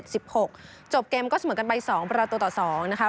สิบหกจบเกมก็เสมอกันไปสองประตูต่อสองนะคะ